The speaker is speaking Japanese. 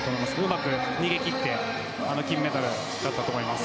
うまく逃げ切っての金メダルだったと思います。